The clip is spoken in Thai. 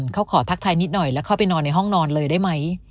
เขาขอทักทายนิดหน่อยแล้วเข้าไปนอนในห้องนอนเลยได้ไหม